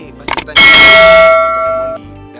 jadi gini pas kita nyariin kita telepon dia